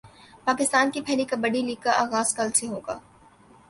پاکستان کی پہلی کبڈی لیگ کا غاز کل سے ہوگا